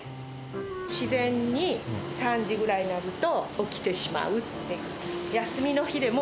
自然に３時ぐらいになると、起きてしまうっていう。